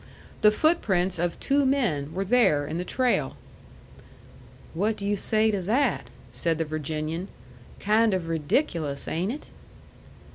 The footprints of two men were there in the trail. "What do you say to that?" said the Virginian. "Kind of ridiculous, ain't it?"